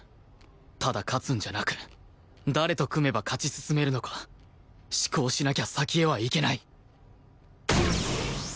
ただ勝つんじゃなく誰と組めば勝ち進めるのか思考しなきゃ先へは行けない！